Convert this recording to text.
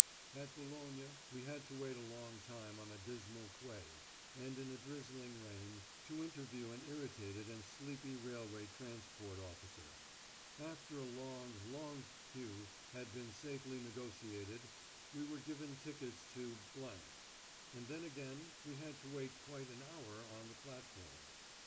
At Boulogne we had to wait a long time on a dismal quay and in a drizzling rain to interview an irritated and sleepy railway transport officer. After a long, long queue had been safely negociated we were given tickets to ; and then again we had to wait quite an hour on the platform.